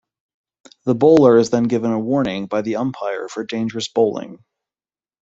The bowler is then given a warning by the umpire for dangerous bowling.